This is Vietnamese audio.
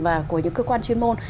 và của những cơ quan chuyên môn